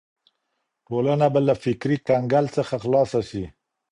ټولنه به له فکري کنګل څخه خلاصه سي.